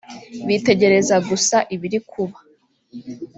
bitegereza gusa ibiri kuba